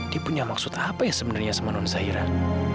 dia punya maksud apa ya sebenarnya sama nonzairah